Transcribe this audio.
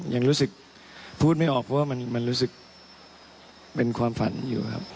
ยังรู้สึกพูดไม่ออกเพราะว่ามันรู้สึกเป็นความฝันอยู่ครับ